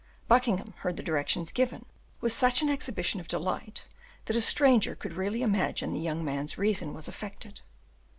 Buckingham heard the directions given with such an exhibition of delight that a stranger would really imagine the young man's reason was affected.